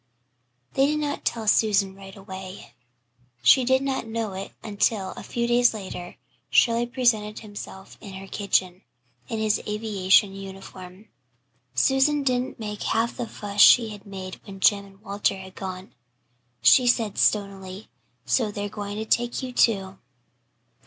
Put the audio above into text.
They did not tell Susan right away. She did not know it until, a few days later, Shirley presented himself in her kitchen in his aviation uniform. Susan didn't make half the fuss she had made when Jem and Walter had gone. She said stonily, "So they're going to take you, too."